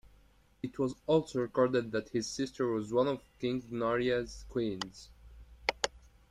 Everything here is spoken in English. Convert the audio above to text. It was also recorded that his sister was one of King Narai's queens.